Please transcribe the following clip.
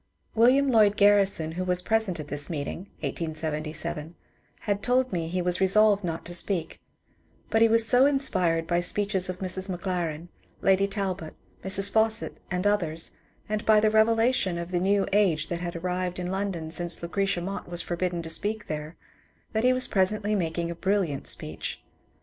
William Lloyd Garrison, who was present at this meeting (1877), had told me he was resolved not to speak ; but he was so inspired by speeches of Mrs. Maclaren, Lady Talbot, Mrs. Fawcett, and others, and by the revelation of the new age that had arrived in London since Lucretia Mott was forbidden to speak there, that he was presently making a brilliant speech.